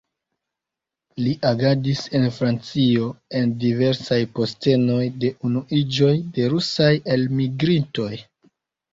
Li agadis en Francio en diversaj postenoj de Unuiĝoj de rusaj elmigrintoj.